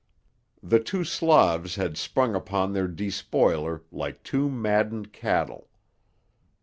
The two Slavs had sprung upon their despoiler like two maddened cattle.